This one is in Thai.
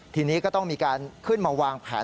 ทีนี้ก็ต้องมีการขึ้นมาวางแผน